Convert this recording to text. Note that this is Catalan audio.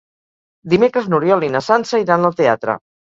Dimecres n'Oriol i na Sança iran al teatre.